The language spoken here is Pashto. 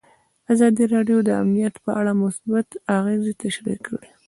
ازادي راډیو د امنیت په اړه مثبت اغېزې تشریح کړي.